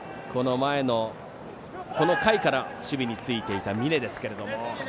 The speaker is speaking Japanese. この回から守備についていた峯ですけども。